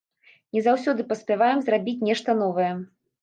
Не заўсёды паспяваем зрабіць нешта новае.